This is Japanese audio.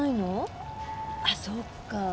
あそっか。